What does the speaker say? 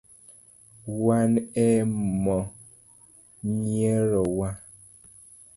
Wan e mo nyierowa.